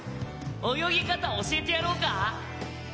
泳ぎ方教えてやろうか？